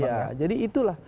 ya jadi itulah